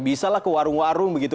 bisa lah ke warung warung begitu